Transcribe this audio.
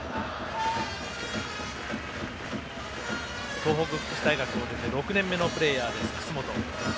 東北福祉大学を出て６年目のプレーヤーです、楠本。